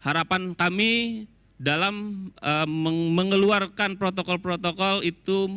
harapan kami dalam mengeluarkan protokol protokol itu